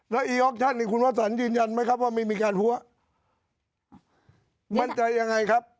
แล้วอีออกชั่นนี่คุณวสันยืนยันไหมครับว่าไม่มีการหัวมั่นใจยังไงครับ